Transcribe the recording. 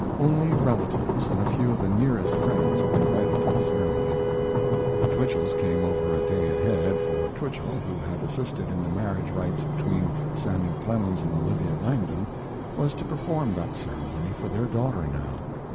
Only relatives and a few of the nearest friends were invited to the ceremony. The Twichells came over a day ahead, for Twichell, who had assisted in the marriage rites between Samuel Clemens and Olivia Langdon, was to perform that ceremony for their daughter now.